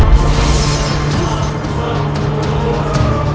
kau akan menang